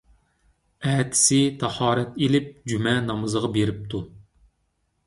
ئەتىسى تاھارەت ئېلىپ جۈمە نامىزىغا بېرىپتۇ.